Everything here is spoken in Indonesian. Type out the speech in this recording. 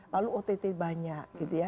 lalu ott banyak gitu ya